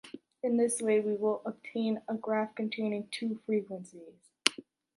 In this way, we will obtain a graph containing two frequencies.